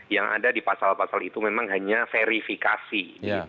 yang ada di pasal pasal itu memang hanya verifikasi